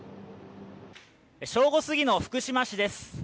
正午過ぎの福島市です。